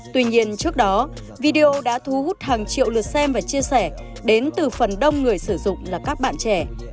tuy nhiên trước đó video đã thu hút hàng triệu lượt xem và chia sẻ đến từ phần đông người sử dụng là các bạn trẻ